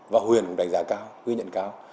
và huyền cũng đánh giá cao ghi nhận cao